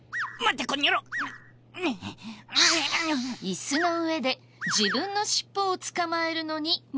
椅子の上で自分の尻尾を捕まえるのに夢中。